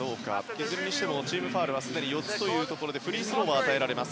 いずれにしてもチームファウルは４つでフリースローも与えられます。